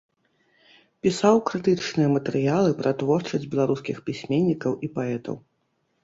Пісаў крытычныя матэрыялы пра творчасць беларускіх пісьменнікаў і паэтаў.